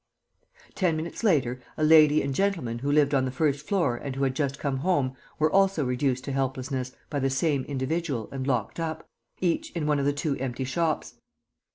Ten minutes later a lady and gentleman who lived on the first floor and who had just come home were also reduced to helplessness by the same individual and locked up, each in one of the two empty shops.